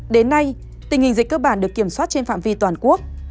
đến nay tình hình dịch cơ bản được kiểm soát trên phạm vi toàn quốc